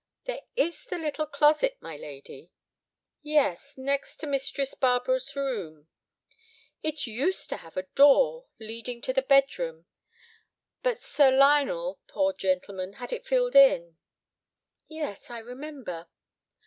"There is the little closet, my lady." "Yes, next to Mistress Barbara's room." "It used to have a door—leading to the bedroom. But Sir Lionel—poor gentleman—had it filled in." "Yes, I remember."